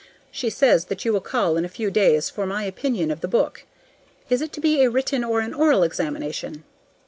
She says that you will call in a few days for my opinion of the book. Is it to be a written or an oral examination?